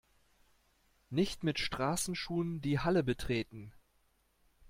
Nicht mit Straßenschuhen die Halle betreten!